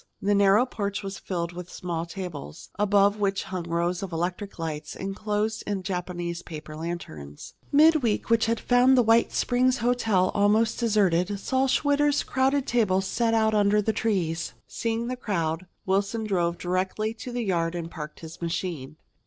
The narrow porch was filled with small tables, above which hung rows of electric lights enclosed in Japanese paper lanterns. Midweek, which had found the White Springs Hotel almost deserted, saw Schwitter's crowded tables set out under the trees. Seeing the crowd, Wilson drove directly to the yard and parked his machine.